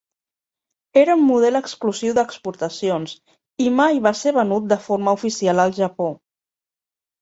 Era un model exclusiu d'exportacions i mai va ser venut de forma oficial al Japó.